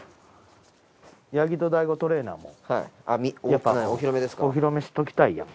やっぱお披露目しときたいやん。